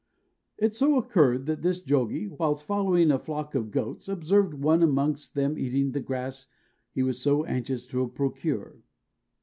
It so occurred that this Jogie, whilst following a flock of goats, observed one amongst them eating of the grass he was so anxious to procure.